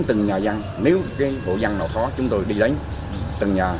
đến từng nhà dân nếu hộ dân nào khó chúng tôi đi đến từng nhà